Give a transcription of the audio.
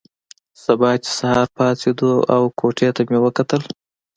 سبا چې سهار پاڅېدو او کوټې ته مې وکتل.